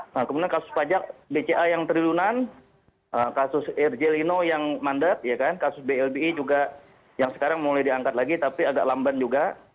nah kemudian kasus pajak bca yang triliunan kasus rjelino yang mandat kasus blbi juga yang sekarang mulai diangkat lagi tapi agak lamban juga